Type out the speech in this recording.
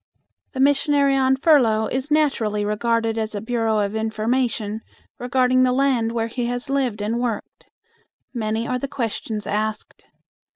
The missionary on furlough is naturally regarded as a bureau of information regarding the land where he has lived and worked. Many are the questions asked.